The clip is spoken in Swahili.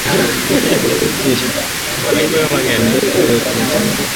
Mu lokoteshe ma mbeko yote ya chini